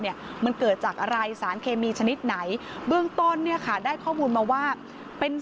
มันเกิดจากอะไรสารเคมีชนิดไหน